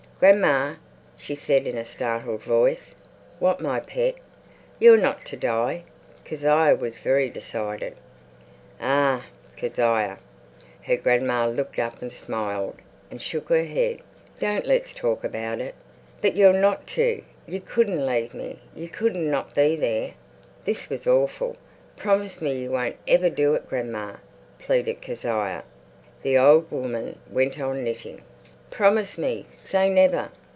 "Grandma," she said in a startled voice. "What, my pet!" "You're not to die." Kezia was very decided. "Ah, Kezia"—her grandma looked up and smiled and shook her head—"don't let's talk about it." "But you're not to. You couldn't leave me. You couldn't not be there." This was awful. "Promise me you won't ever do it, grandma," pleaded Kezia. The old woman went on knitting. "Promise me! Say never!"